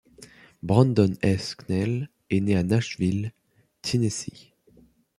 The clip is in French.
Brandon Heath Knell est né à Nashville, Tennessee.